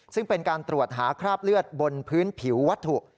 ซึ่งเป็นการตรวจหาคราบเลือดบนพื้นผิววัตถุ